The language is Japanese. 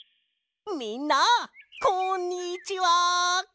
みんなこんにちは！